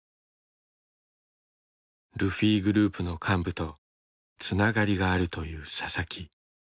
ルフィグループの幹部とつながりがあるというササキ。